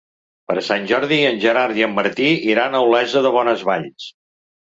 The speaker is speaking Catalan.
Per Sant Jordi en Gerard i en Martí iran a Olesa de Bonesvalls.